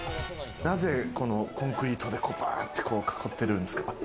なぜ、このコンクリートでパッと囲ってるんですか？